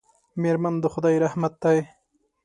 میرمن د خدای رحمت دی.